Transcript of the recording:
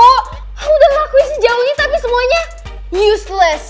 om udah ngelakuin sih jauh ini tapi semuanya useless